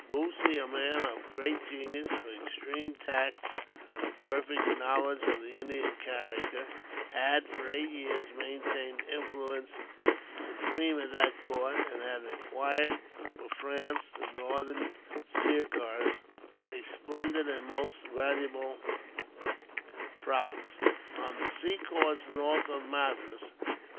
Bussy, a man of great genius, of extreme tact, of perfect knowledge of the Indian character; had, for eight years, maintained French influence supreme at that court, and had acquired for France the Northern Sirkars, a splendid and most valuable province, on the seacoast north of Madras.